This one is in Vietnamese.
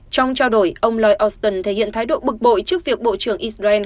trong trao đổi ông lloyd austin thể hiện thái độ bực bội trước việc bộ trưởng israel